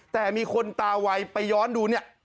แต่มีคนตาวัยไปย้อนดูเนี่ย